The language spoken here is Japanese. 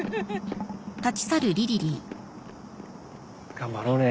頑張ろうね。